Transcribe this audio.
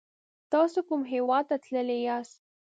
تاسو کوم هیواد ته تللی یاست؟